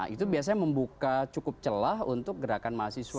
itu biasanya membuka cukup celah untuk gerakan mahasiswa